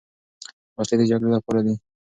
وسلې د جګړې لپاره دي.